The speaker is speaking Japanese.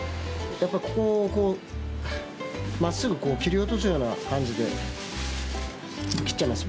やっぱここをこうまっすぐこう切り落とすような感じで切っちゃいます